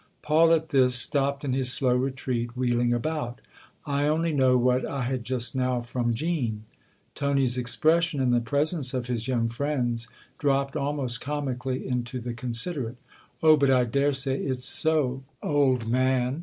Paul, at this, stopped in his slow retreat, wheeling about. " I only know what I had just now from Jean." Tony's expression, in the presence of his young friend's, dropped almost comically into the con siderate. "Oh, but I daresay it's so, old man.